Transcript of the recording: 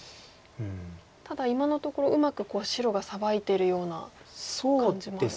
ただ今のところうまく白がサバいてるような感じもある。